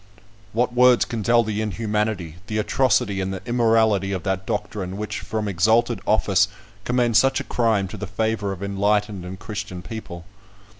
What words can tell the inhumanity, the atrocity, and the immorality of that doctrine which, from exalted office, commends such a crime to the favour of enlightened and Christian people?